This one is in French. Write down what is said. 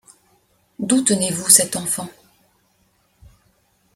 D’où tenez-vous cet enfant?